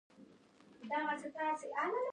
• باران د ګلونو تازهوالی ساتي.